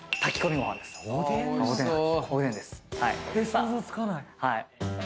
想像つかないな。